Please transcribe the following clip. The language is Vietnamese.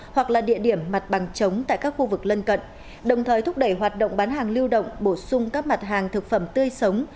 hoặc là địa điểm mặt bằng chống tại các khu vực lân cận đồng thời thúc đẩy hoạt động bán hàng lưu động bổ sung các mặt hàng thực phẩm tươi sống